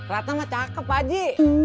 ratna mah cakep pak haji